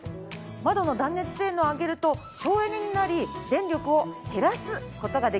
窓の断熱性能を上げると省エネになり電力をへらす事ができます。